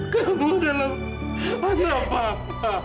kamu adalah anak bapak